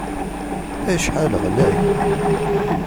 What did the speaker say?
Acḥal ɣlay!